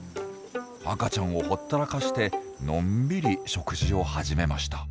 赤ちゃんをほったらかしてのんびり食事を始めました。